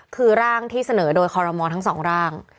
คือร่างที่เสนอโดยคอรมอลทั้งสองร่าง